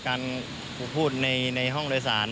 การพูดในห้องโดยสาร